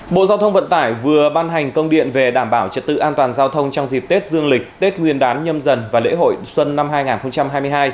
bộ giao thông vận tải vừa ban hành công điện về đảm bảo trật tự an toàn giao thông trong dịp tết dương lịch tết nguyên đán nhâm dần và lễ hội xuân năm hai nghìn hai mươi hai